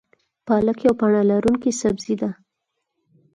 پالک یوه پاڼه لرونکی سبزی ده